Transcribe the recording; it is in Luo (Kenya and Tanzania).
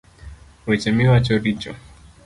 Weche miwacho richo